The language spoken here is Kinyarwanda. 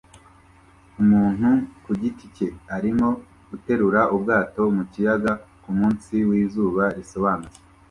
Umuntu ku giti cye arimo guterura ubwato mu kiyaga kumunsi wizuba risobanutse